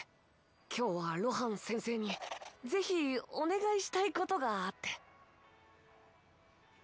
今日は露伴先生にぜひお願いしたいことがあって。